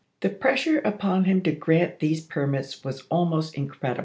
The pressure upon him to grant these permits was almost incredible.